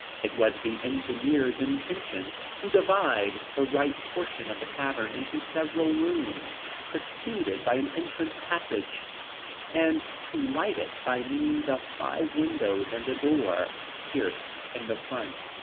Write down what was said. It was the engineer's intention to divide the right portion of the cavern into several rooms, preceded by an entrance passage, and to light it by means of five windows and a door, pierced in the front.